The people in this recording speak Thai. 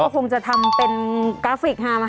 เราคงจะทำเป็นกราฟิกไฟมา